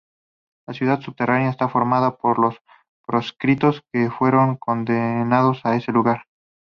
La Ciudad Subterránea está formada por los Proscritos, que fueron condenados a ese lugar.